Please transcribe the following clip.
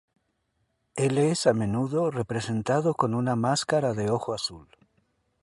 Él es a menudo representado con una máscara de ojo azul.